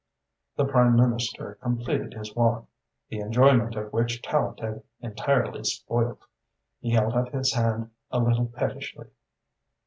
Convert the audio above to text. The Prime Minister completed his walk, the enjoyment of which Tallente had entirely spoilt. He held out his hand a little pettishly.